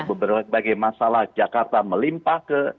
berbagai masalah jakarta melimpah ke